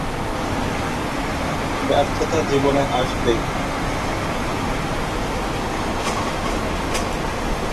ব্যর্থতা জীবনে আসবেই।